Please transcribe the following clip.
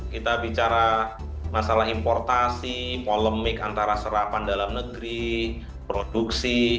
kita bicara masalah importasi polemik antara serapan dalam negeri produksi